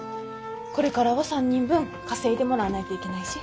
これからは３人分稼いでもらわないといけないし。